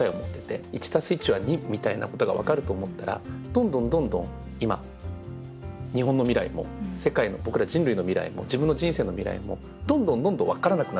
「１足す１は２」みたいなことがわかると思ったらどんどんどんどん今日本の未来も世界の僕ら人類の未来も自分の人生の未来もどんどんどんどんわからなくなってると思うんですよ。